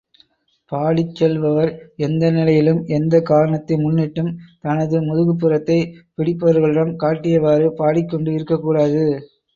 பாடிச் செல்பவர் எந்த நிலையிலும், எந்தக் காரணத்தை முன்னிட்டும் தனது முதுகுப்புறத்தை பிடிப்பவர்களிடம் காட்டியவாறு பாடிக் கொண்டு இருக்கக்கூடாது.